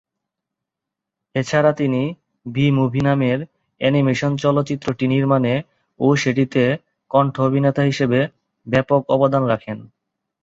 এছাড়া তিনি "bee movie" নামের অ্যানিমেশন চলচ্চিত্রটি নির্মাণে ও সেটিতে কন্ঠ-অভিনেতা হিসেবে ব্যাপক অবদান রাখেন।